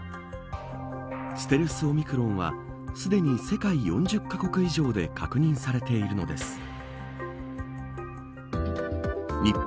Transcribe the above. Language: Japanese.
ステルスオミクロンはすでに世界４０か国以上で確認されているのです。